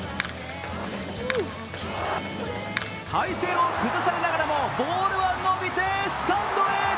体勢を崩されながらもボールは伸びて、スタンドへ。